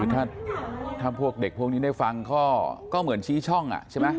ถ้าพวกเด็กพวกนี้ได้ฟังก็เหมือนชี้ช่องใช่ไหม